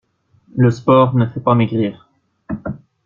Le sport ne fait pas maigrir.